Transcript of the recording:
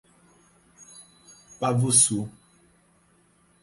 Pavussu